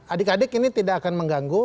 adik adik ini tidak akan mengganggu